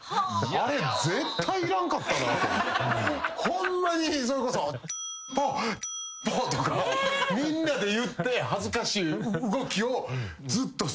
ホンマにそれこそとかみんなで言って恥ずかしい動きをずっとするっていう。